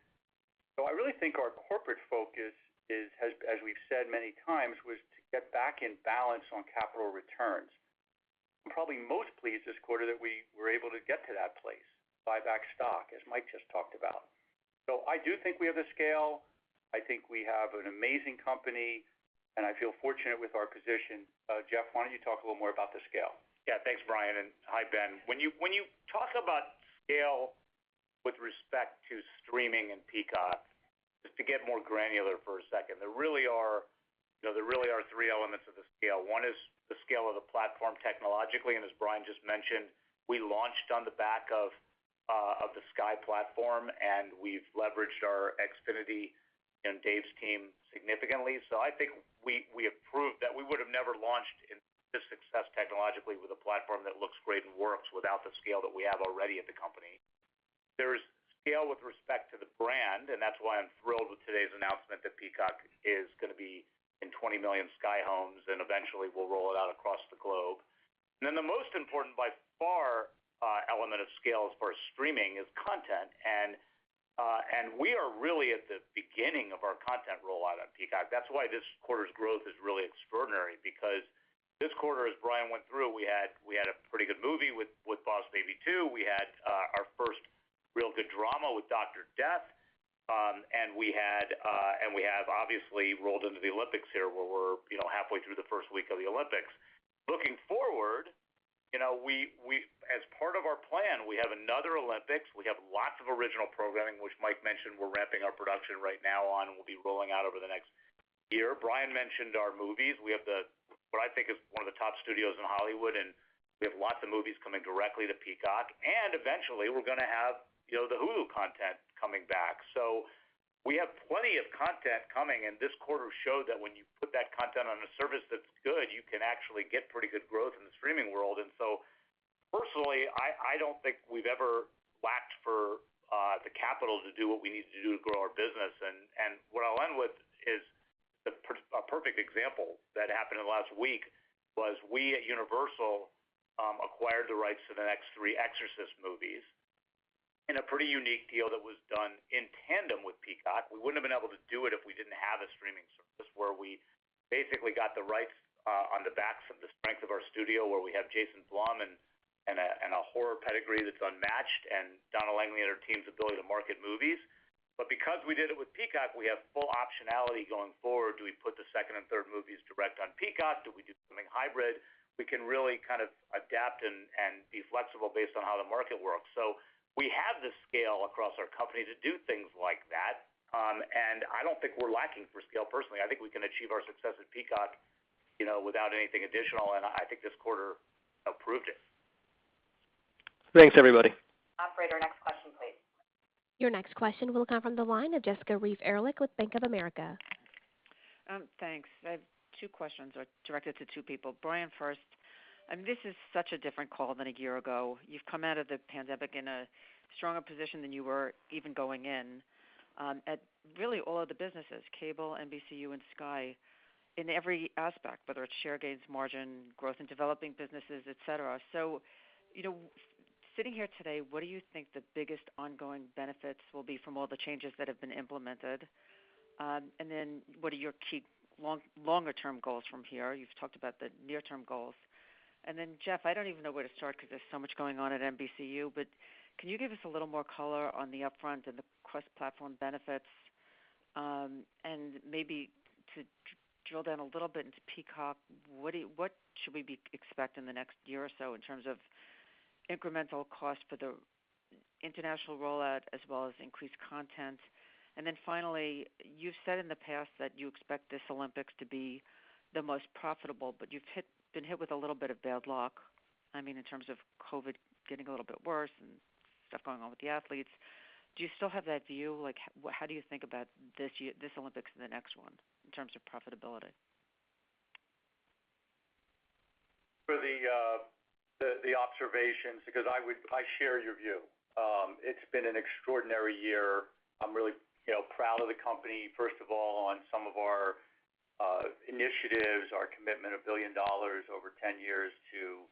I really think our corporate focus is, as we've said many times, was to get back in balance on capital returns. I'm probably most pleased this quarter that we were able to get to that place, buy back stock, as Mike just talked about. I do think we have the scale. I think we have an amazing company, and I feel fortunate with our position. Jeff, why don't you talk a little more about the scale? Thanks, Brian, and hi, Ben. When you talk about scale with respect to streaming and Peacock, just to get more granular for a second, there really are three elements of the scale. One is the scale of the platform technologically, and as Brian just mentioned, we launched on the back of the Sky platform, and we've leveraged our Xfinity and Dave's team significantly. I think we have proved that we would have never launched this success technologically with a platform that looks great and works without the scale that we have already at the company. There is scale with respect to the brand, and that's why I'm thrilled with today's announcement that Peacock is going to be 20 million Sky homes, and eventually we'll roll it out across the globe. The most important by far element of scale as far as streaming is content, and we are really at the beginning of our content rollout on Peacock. That's why this quarter's growth is really extraordinary because this quarter, as Brian went through, we had a pretty good movie with "Boss Baby 2." We had our first real good drama with "Dr. Death," and we have obviously rolled into the Olympics here, where we're halfway through the first week of the Olympics. Looking forward, as part of our plan, we have another Olympics, we have lots of original programming, which Mike mentioned we're ramping our production right now on and we'll be rolling out over the next year. Brian mentioned our movies. We have what I think is one of the top studios in Hollywood, and we have lots of movies coming directly to Peacock. Eventually we're going to have the Hulu content coming back. We have plenty of content coming and this quarter showed that when you put that content on a service that's good, you can actually get pretty good growth in the streaming world. Personally, I don't think we've ever lacked for the capital to do what we need to do to grow our business. What I'll end with is a perfect example that happened in the last week was we at Universal acquired the rights to the next three "Exorcist" movies in a pretty unique deal that was done in tandem with Peacock. We wouldn't have been able to do it if we didn't have a streaming service where we basically got the rights on the backs of the strength of our studio, where we have Jason Blum and a horror pedigree that's unmatched, and Donna Langley and her team's ability to market movies. Because we did it with Peacock, we have full optionality going forward. Do we put the second and third movies direct on Peacock? Do we do something hybrid? We can really adapt and be flexible based on how the market works. We have the scale across our company to do things like that, and I don't think we're lacking for scale personally. I think we can achieve our success at Peacock without anything additional, and I think this quarter proved it. Thanks everybody. Operator, next question please. Your next question will come from the line of Jessica Reif Ehrlich with Bank of America. Thanks. I have two questions directed to two people. Brian first, this is such a different call than a year ago. You've come out of the pandemic in a stronger position than you were even going in at really all of the businesses, Cable, NBCU, and Sky, in every aspect, whether it's share gains, margin, growth in developing businesses, et cetera. Sitting here today, what do you think the biggest ongoing benefits will be from all the changes that have been implemented? What are your key longer-term goals from here? You've talked about the near-term goals. Jeff, I don't even know where to start because there's so much going on at NBCU, but can you give us a little more color on the upfront and the cross-platform benefits? Maybe to drill down a little bit into Peacock, what should we be expecting in the next year or so in terms of incremental cost for the international rollout as well as increased content? Finally, you've said in the past that you expect this Olympics to be the most profitable, but you've been hit with a little bit of bad luck. In terms of COVID getting a little bit worse and stuff going on with the athletes. Do you still have that view? How do you think about this Olympics and the next one in terms of profitability? For the observations, because I share your view. It's been an extraordinary year. I'm really proud of the company. First of all, on some of our initiatives, our commitment of $1 billion over 10 years to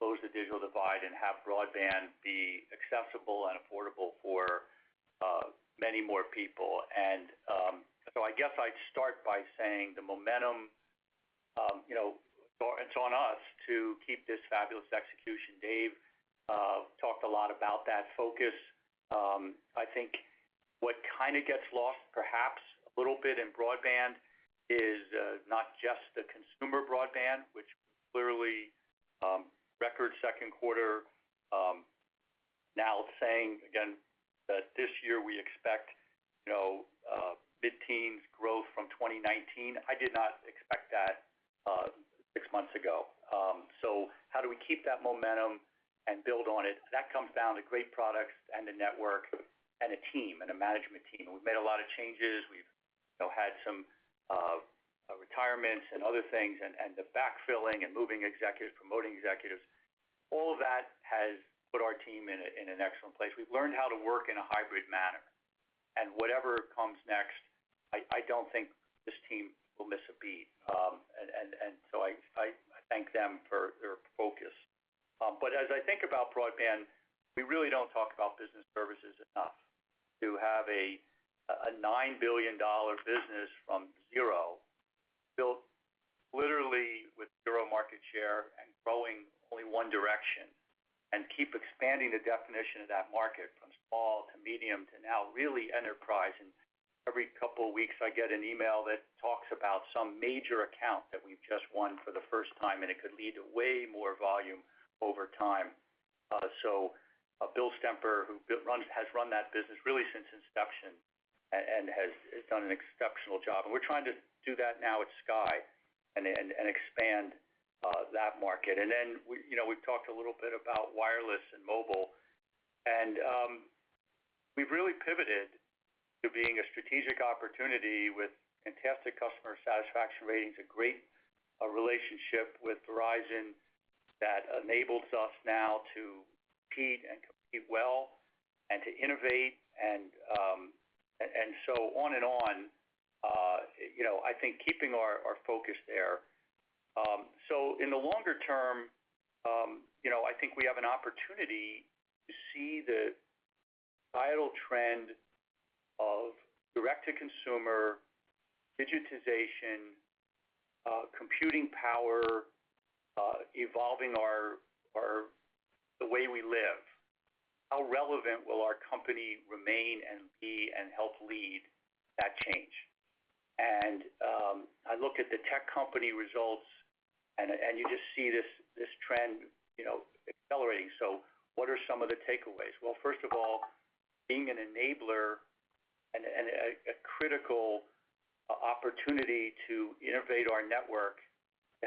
close the digital divide and have broadband be accessible and affordable for many more people. I guess I'd start by saying the momentum, it's on us to keep this fabulous execution. Dave talked a lot about that focus. I think what kind of gets lost perhaps a little bit in broadband is not just the consumer broadband, which clearly record second quarter. Now saying again that this year we expect mid-teens growth from 2019. I did not expect that six months ago. How do we keep that momentum and build on it? That comes down to great products and a network and a team and a management team. We've made a lot of changes. We've had some retirements and other things and the backfilling and moving executives, promoting executives. All of that has put our team in an excellent place. We've learned how to work in a hybrid manner and whatever comes next, I don't think this team will miss a beat. I thank them for their focus. As I think about broadband, we really don't talk about business services enough to have a $9 billion business from zero built literally with zero market share and growing only one direction, and keep expanding the definition of that market from small to medium to now really enterprise. Every couple of weeks I get an email that talks about some major account that we've just won for the first time and it could lead to way more volume over time. Bill Stemper who has run that business really since inception and has done an exceptional job. We're trying to do that now at Sky and expand that market. Then we've talked a little bit about wireless and mobile and we've really pivoted to being a strategic opportunity with fantastic customer satisfaction ratings. A relationship with Verizon that enables us now to compete and compete well and to innovate and so on and on. I think keeping our focus there. In the longer-term, I think we have an opportunity to see the vital trend of direct-to-consumer digitization, computing power, evolving the way we live. How relevant will our company remain and be and help lead that change? I look at the tech company results, and you just see this trend accelerating. What are some of the takeaways? Well, first of all, being an enabler and a critical opportunity to innovate our network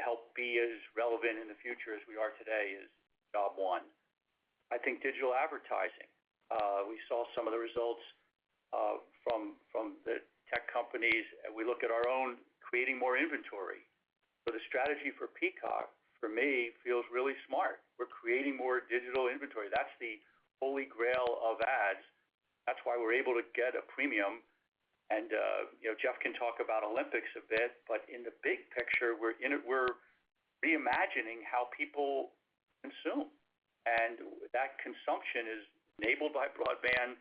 to help be as relevant in the future as we are today is job one. I think digital advertising. We saw some of the results from the tech companies, and we look at our own creating more inventory. The strategy for Peacock, for me, feels really smart. We're creating more digital inventory. That's the holy grail of ads. That's why we're able to get a premium and Jeff can talk about Olympics a bit, but in the big picture, we're reimagining how people consume. That consumption is enabled by broadband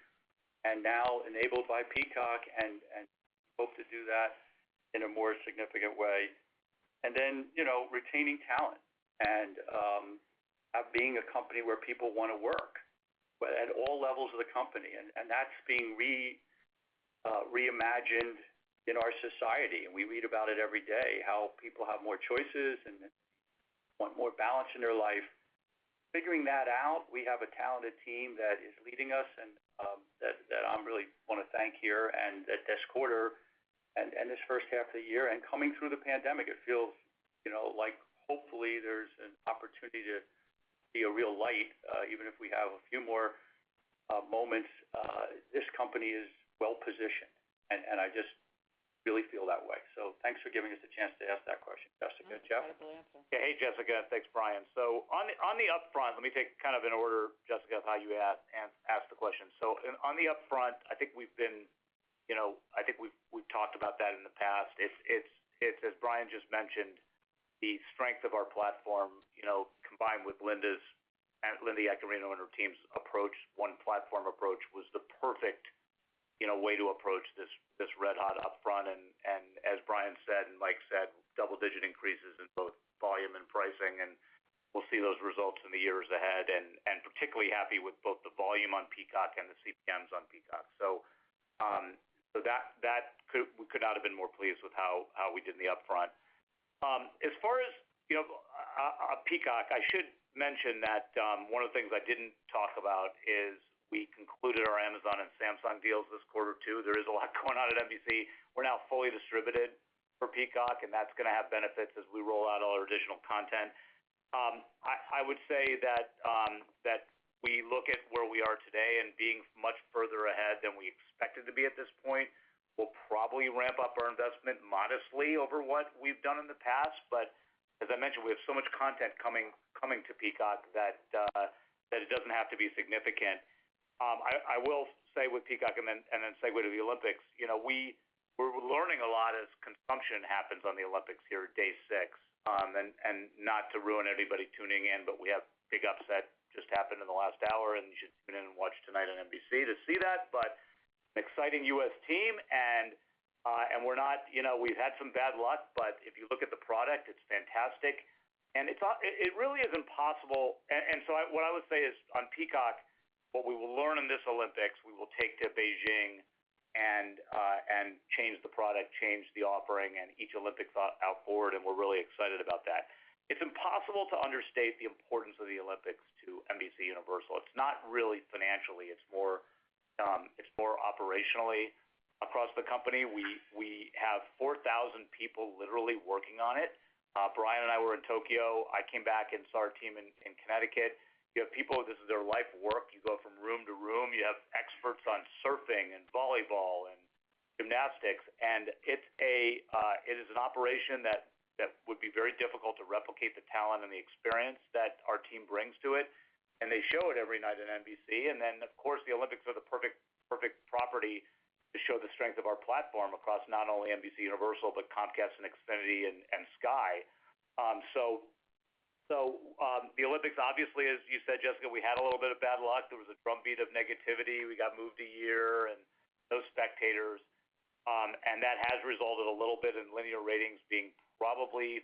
and now enabled by Peacock and hope to do that in a more significant way. Then retaining talent and being a company where people want to work at all levels of the company. That's being reimagined in our society, and we read about it every day, how people have more choices and want more balance in their life. Figuring that out, we have a talented team that is leading us and that I really want to thank here and this quarter and this first half of the year and coming through the pandemic, it feels like hopefully there's an opportunity to see a real light even if we have a few more moments. This company is well-positioned. I just really feel that way. Thanks for giving us a chance to ask that question, Jessica. Jeff? Wonderful answer. Hey, Jessica. Thanks, Brian. On the upfront, let me take kind of in order, Jessica, of how you asked the question. On the upfront, I think we've talked about that in the past. It's as Brian just mentioned, the strength of our platform, combined with Linda Yaccarino and her team's approach, One Platform approach, was the perfect way to approach this red hot upfront and as Brian said, and Mike said, double-digit increases in both volume and pricing, and we'll see those results in the years ahead, and particularly happy with both the volume on Peacock and the CPMs on Peacock. We could not have been more pleased with how we did in the upfront. As far as Peacock, I should mention that one of the things I didn't talk about is we concluded our Amazon and Samsung deals this quarter, too. There is a lot going on at NBC. We're now fully distributed for Peacock. That's going to have benefits as we roll out all our additional content. I would say that we look at where we are today and being much further ahead than we expected to be at this point. We'll probably ramp up our investment modestly over what we've done in the past. As I mentioned, we have so much content coming to Peacock that it doesn't have to be significant. I will say with Peacock and then segue to the Olympics, we're learning a lot as consumption happens on the Olympics here day six, and not to ruin anybody tuning in, but we have a big upset just happened in the last hour, and you should tune in and watch tonight on NBC to see that, but an exciting U.S. team and we've had some bad luck, but if you look at the product, it's fantastic. What I would say is on Peacock, what we will learn in this Olympics, we will take to Beijing and change the product, change the offering and each Olympics outward, and we're really excited about that. It's impossible to understate the importance of the Olympics to NBCUniversal. It's not really financially, it's more operationally across the company. We have 4,000 people literally working on it. Brian and I were in Tokyo. I came back and saw our team in Connecticut. You have people, this is their life work. You go from room to room. You have experts on surfing and volleyball and gymnastics. It is an operation that would be very difficult to replicate the talent and the experience that our team brings to it, and they show it every night on NBC. Of course, the Olympics are the perfect property to show the strength of our platform across not only NBCUniversal, but Comcast and Xfinity and Sky. The Olympics, obviously, as you said, Jessica, we had a little bit of bad luck. There was a drumbeat of negativity. We got moved a year and no spectators. That has resulted a little bit in linear ratings being probably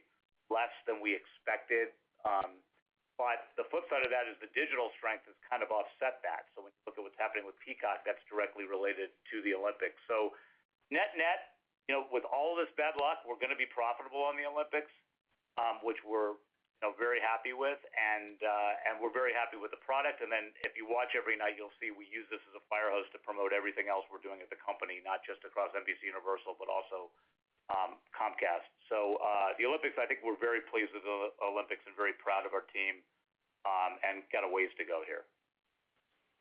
less than we expected. The flip side of that is the digital strength has kind of offset that. When you look at what's happening with Peacock, that's directly related to the Olympics. Net-net, with all this bad luck, we're going to be profitable on the Olympics, which we're very happy with and we're very happy with the product, and then if you watch every night, you'll see we use this as a fire hose to promote everything else we're doing at the company, not just across NBCUniversal, but also Comcast. The Olympics, I think we're very pleased with the Olympics and very proud of our team, and got a ways to go here.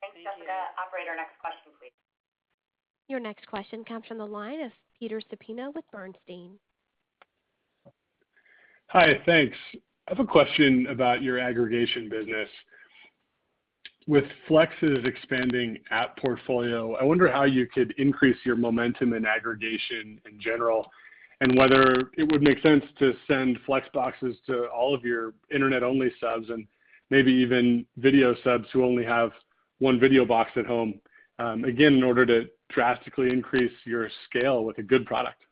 Thanks, Jessica. Operator, next question, please. Your next question comes from the line of Peter Supino with Bernstein. Hi, thanks. I have a question about your aggregation business. With Flex's expanding app portfolio, I wonder how you could increase your momentum and aggregation in general, and whether it would make sense to send Flex boxes to all of your internet-only subs and maybe even video subs who only have one video box at home, again, in order to drastically increase your scale with a good product.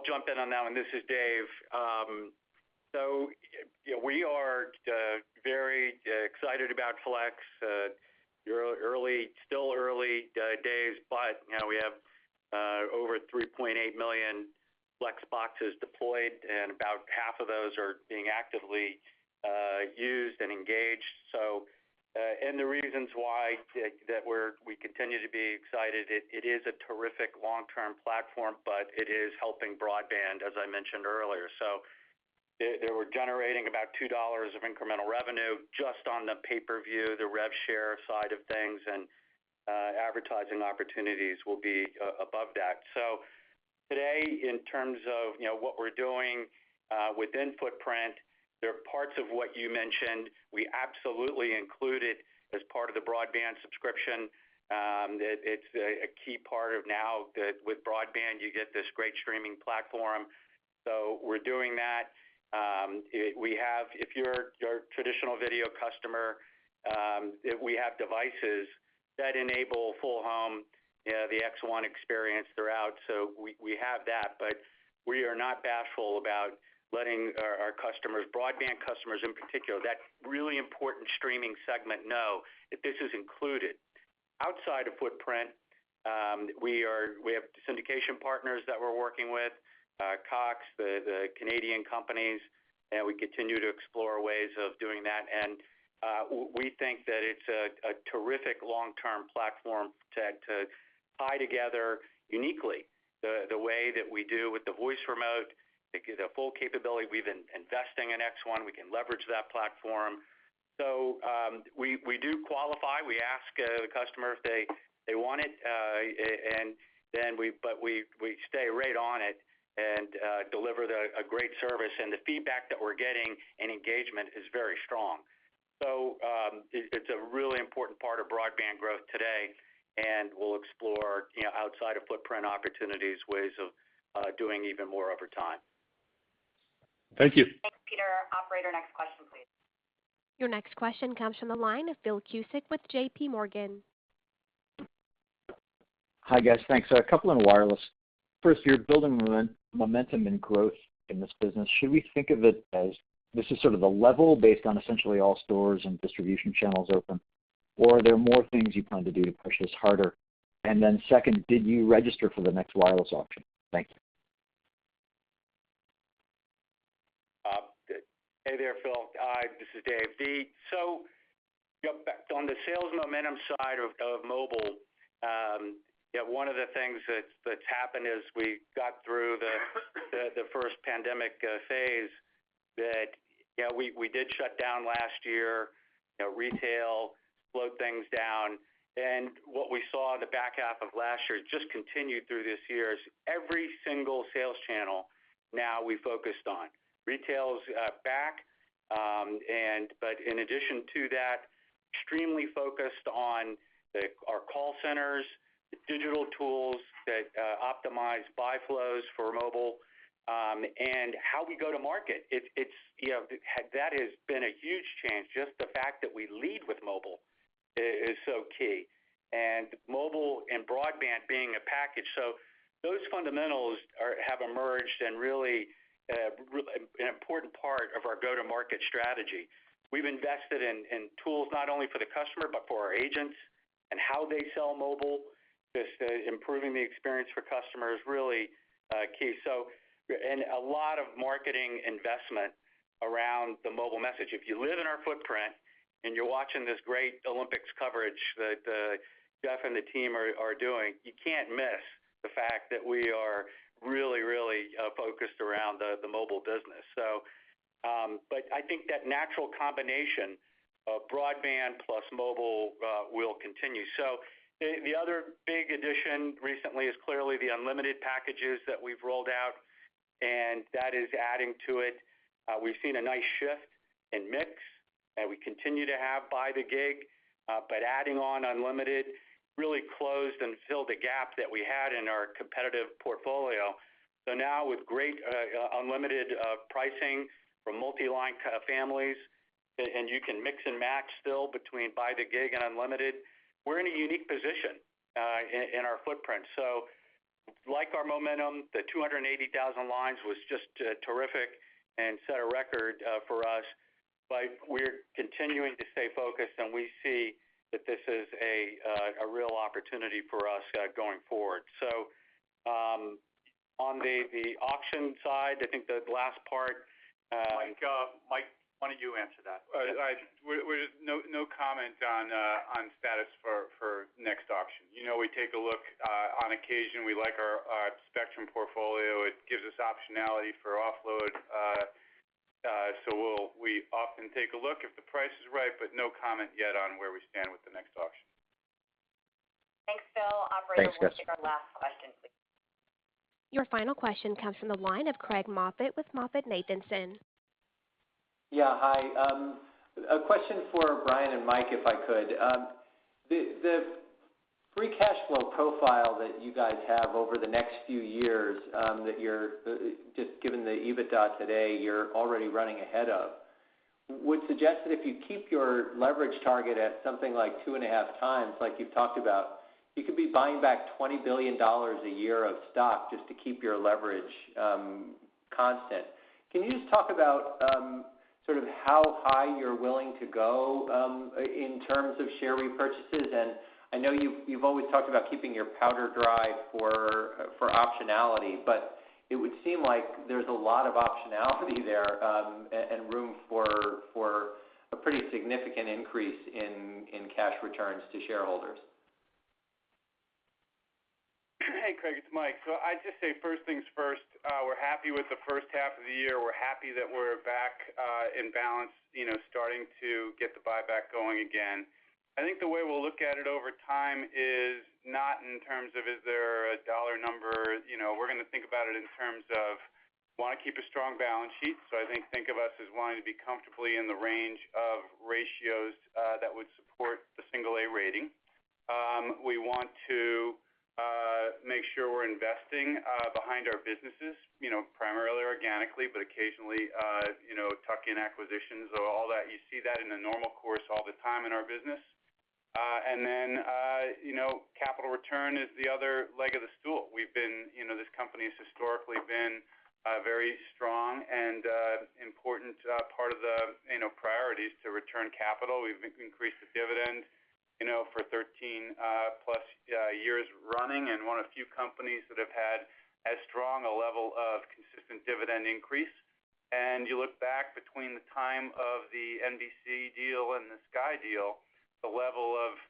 Well, I'll jump in on that, and this is Dave. Yeah, we are very excited about Flex. Still early days, but we have over 3.8 million Flex boxes deployed, and about half of those are being actively used and engaged. The reasons why that we continue to be excited, it is a terrific long-term platform, but it is helping broadband, as I mentioned earlier. They were generating about $2 of incremental revenue just on the pay-per-view, the rev share side of things, and advertising opportunities will be above that. Today, in terms of what we're doing within footprint, there are parts of what you mentioned we absolutely included as part of the broadband subscription. It's a key part now that with broadband, you get this great streaming platform. We're doing that. If you're a traditional video customer, we have devices that enable full home, the X1 experience throughout. We have that, but we are not bashful about letting our customers, broadband customers in particular, that really important streaming segment, know that this is included. Outside of footprint, we have syndication partners that we're working with, Cox, the Canadian companies, and we continue to explore ways of doing that. We think that it's a terrific long-term platform to tie together uniquely the way that we do with the voice remote, the full capability. We've been investing in X1. We can leverage that platform. We do qualify. We ask the customer if they want it, but we stay right on it and deliver a great service. The feedback that we're getting and engagement is very strong. It's a really important part of broadband growth today, and we'll explore outside of footprint opportunities, ways of doing even more over time. Thank you. Thanks, Peter. Operator, next question, please. Your next question comes from the line of Phil Cusick with JPMorgan. Hi, guys. Thanks. A couple on wireless. First, you're building momentum and growth in this business. Should we think of it as this is sort of the level based on essentially all stores and distribution channels open, or are there more things you plan to do to push this harder? Second, did you register for the next wireless auction? Thank you. Hey there, Phil. This is Dave. On the sales momentum side of mobile, one of the things that's happened as we got through the first pandemic phase that we did shut down last year, retail slowed things down. What we saw the back half of last year just continued through this year is every single sales channel now we focused on. Retail's back, in addition to that, extremely focused on our call centers, digital tools that optimize buy flows for mobile, and how we go to market. That has been a huge change, just the fact that we lead with mobile is so key, and mobile and broadband being a package. Those fundamentals have emerged and really an important part of our go-to-market strategy. We've invested in tools not only for the customer but for our agents and how they sell mobile, just improving the experience for customers, really key. A lot of marketing investment around the mobile message. If you live in our footprint and you're watching this great Olympics coverage that Jeff and the team are doing, you can't miss the fact that we are really focused around the mobile business. I think that natural combination of broadband plus mobile will continue. The other big addition recently is clearly the unlimited packages that we've rolled out, and that is adding to it. We've seen a nice shift in mix, and we continue to have By the Gig. Adding on unlimited really closed and filled a gap that we had in our competitive portfolio. Now with great unlimited pricing for multi-line families, and you can mix and match still between By the Gig and unlimited, we're in a unique position in our footprint. Like our momentum, the 280,000 lines was just terrific and set a record for us, but we're continuing to stay focused, and we see that this is a real opportunity for us going forward. On the auction side. I think the last part. Mike, why don't you answer that? No comment on status for next auction. We take a look on occasion. We like our spectrum portfolio. It gives us optionality for offload. We often take a look if the price is right, but no comment yet on where we stand with the next auction. Bill, operator, we'll take our last question, please. Your final question comes from the line of Craig Moffett with MoffettNathanson. Hi, a question for Brian and Mike, if I could. The free cash flow profile that you guys have over the next few years that, just given the EBITDA today, you're already running ahead of, would suggest that if you keep your leverage target at something like 2.5x, like you've talked about, you could be buying back $20 billion a year of stock just to keep your leverage constant. Can you just talk about how high you're willing to go in terms of share repurchases? I know you've always talked about keeping your powder dry for optionality, but it would seem like there's a lot of optionality there, and room for a pretty significant increase in cash returns to shareholders. Hey, Craig, it's Mike. I'd just say, first things first, we're happy with the first half of the year. We're happy that we're back in balance, starting to get the buyback going again. I think the way we'll look at it over time is not in terms of, is there a dollar number. We're going to think about it in terms of want to keep a strong balance sheet. I think of us as wanting to be comfortably in the range of ratios that would support the single-A rating. We want to make sure we're investing behind our businesses, primarily organically, but occasionally tuck in acquisitions. All that, you see that in a normal course all the time in our business. Capital return is the other leg of the stool. This company has historically been very strong and an important part of the priorities to return capital. We've increased the dividend for 13+ years running and one of few companies that have had as strong a level of consistent dividend increase. You look back between the time of the NBC deal and the Sky deal, the level of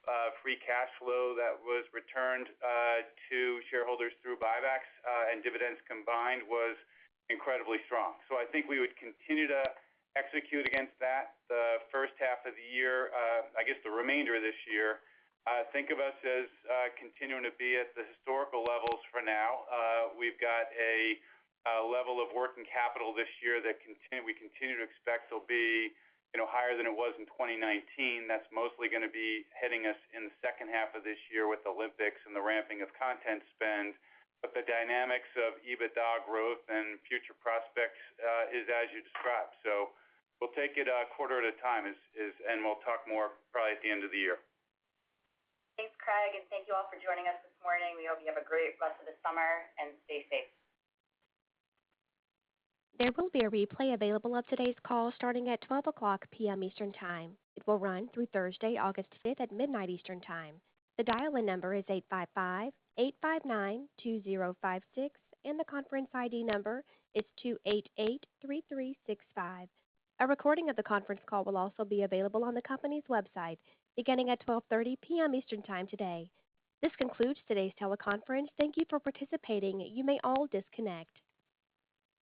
free cash flow that was returned to shareholders through buybacks and dividends combined was incredibly strong. I think we would continue to execute against that the first half of the year, I guess the remainder of this year. Think of us as continuing to be at the historical levels for now. We've got a level of working capital this year that we continue to expect will be higher than it was in 2019. That's mostly going to be hitting us in the second half of this year with the Olympics and the ramping of content spend. The dynamics of EBITDA growth and future prospects is as you described. We'll take it a quarter at a time and we'll talk more probably at the end of the year. Thanks, Craig, and thank you all for joining us this morning. We hope you have a great rest of the summer, and stay safe. There will be a replay available of today's call starting at 12:00 P.M. Eastern Time. It will run through Thursday, August 5th at midnight Eastern Time. The dial-in number is 855-859-2056, and the conference ID number is 2883365. A recording of the conference call will also be available on the company's website beginning at 12:30 P.M. Eastern Time today. This concludes today's teleconference. Thank you for participating. You may all disconnect.